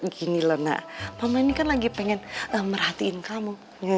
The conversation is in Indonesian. gini lho mama ini kan lagi pengen merhatiin kamu